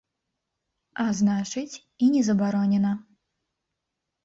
А значыць, і не забаронена.